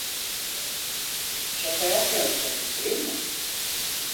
Şaka yapmıyorsun, değil mi?